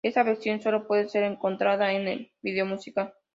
Esta versión sólo puede ser encontrada en el vídeo musical.